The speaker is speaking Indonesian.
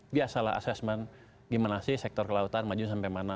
biasalah assessment gimana sih sektor kelautan maju sampai mana